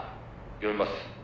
「読みます」